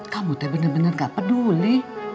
kamu tuh bener bener gak peduli